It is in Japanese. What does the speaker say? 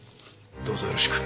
どうぞよろしく。